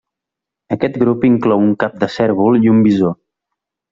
Aquest grup inclou un cap de cérvol i un bisó.